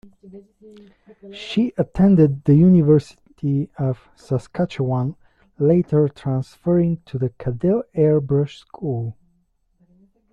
She attended the University of Saskatchewan, later transferring to the Kadel Airbrush School.